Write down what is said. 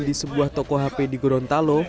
di sebuah toko hp di gurun talo